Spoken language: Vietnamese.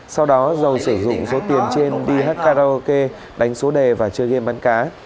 sau đó giàu sử dụng số tiền trên đi hát karaoke đánh số đề và chơi game bán cá